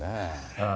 ああ。